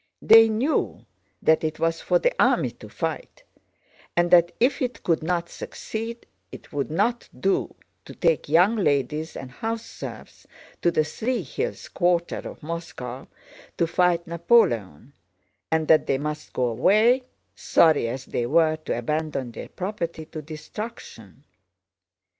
They knew that it was for the army to fight, and that if it could not succeed it would not do to take young ladies and house serfs to the Three Hills quarter of Moscow to fight Napoleon, and that they must go away, sorry as they were to abandon their property to destruction.